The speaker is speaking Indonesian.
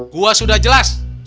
gua sudah jelas